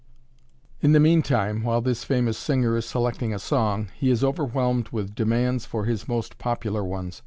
In the meantime, while this famous singer is selecting a song, he is overwhelmed with demands for his most popular ones.